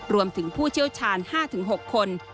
รวมถึงผู้เชี่ยวชาญ๕๖คน